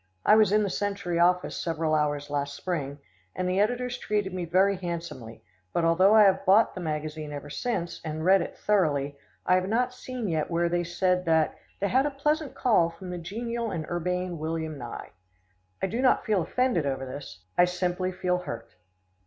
I was in The Century office several hours last spring, and the editors treated me very handsomely, but, although I have bought the magazine ever since, and read it thoroughly, I have not seen yet where they said that "they had a pleasant call from the genial and urbane William Nye." I do not feel offended over this. I simply feel hurt.